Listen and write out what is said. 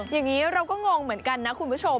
อย่างนี้เราก็งงเหมือนกันนะคุณผู้ชม